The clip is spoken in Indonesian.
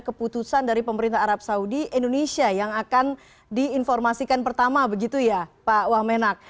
keputusan dari pemerintah arab saudi indonesia yang akan diinformasikan pertama begitu ya pak wamenak